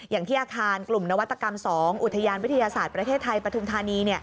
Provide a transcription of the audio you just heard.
อย่างที่อาคารกลุ่มนวัตกรรม๒อุทยานวิทยาศาสตร์ประเทศไทยปฐุมธานี